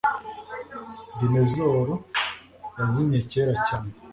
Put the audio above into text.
dinosaurs yazimye kera cyane